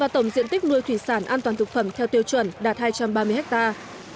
tổng diện tích nuôi thủy sản an toàn thực phẩm theo tiêu chuẩn đạt hai trăm ba mươi hectare